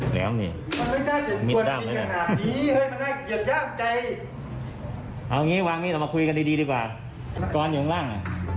ดีดีกว่ากร้อนอยู่ข้างล่าง